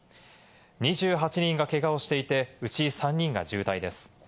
２８人がけがをしていて、うち３人が重体です。